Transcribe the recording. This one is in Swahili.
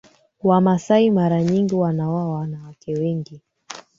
Wamasai mara nyingi wanaoa wanawake wengi